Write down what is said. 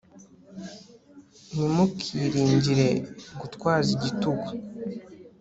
ntimukiringire gutwaza igitugu